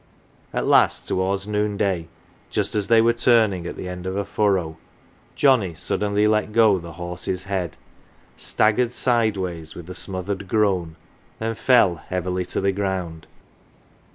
At last towards noonday, just as they were turning at the end of a furrow, Johnnie suddenly let go the horse's head, 68 CELEBRITIES staggered sideways with a smothered groan, and fell heavily to the ground.